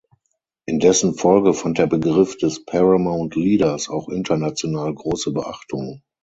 In dessen Folge fand der Begriff des "Paramount Leaders" auch international große Beachtung.